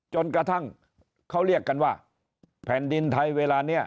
จนกระทั่งเขาเรียกกันว่าแผ่นดินไทยเวลานี้